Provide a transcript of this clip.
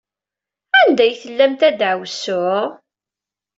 Anda ay tellamt a ddeɛwessu?